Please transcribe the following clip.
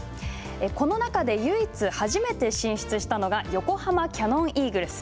この中で唯一初めて進出したのが横浜キヤノンイーグルス。